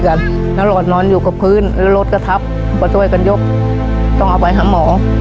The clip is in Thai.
แล้วหลอดนอนอยู่กับพื้นแล้วรถก็ทับก็ช่วยกันยกต้องเอาไปหาหมอ